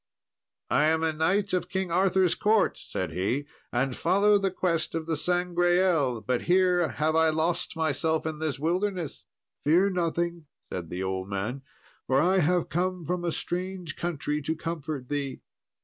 "I am a knight of King Arthur's court," said he, "and follow the quest of the Sangreal; but here have I lost myself in this wilderness." "Fear nothing," said the old man, "for I have come from a strange country to comfort thee."